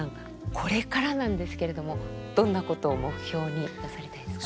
これからなんですけれどもどんなことを目標になさりたいですか？